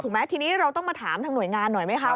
ทีนี้เราต้องมาถามทางหน่วยงานหน่อยไหมคะ